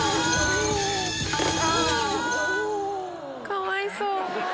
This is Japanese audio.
かわいそう。